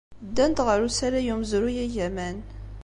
Ddant ɣer usalay n umezruy agaman.